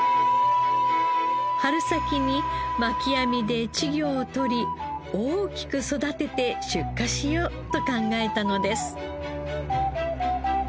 春先に巻き網で稚魚をとり大きく育てて出荷しようと考えたのです。